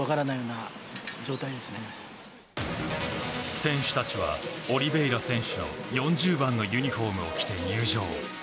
選手たちは、オリベイラ選手の４０番のユニホームを着て入場。